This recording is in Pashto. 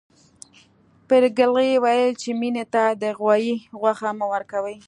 پريګلې ويل چې مينې ته د غوايي غوښه مه ورکوئ